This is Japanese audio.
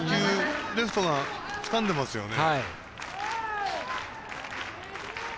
レフトがつかんでますよね。